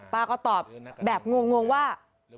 ป้าก็ตอบแบบงงว่า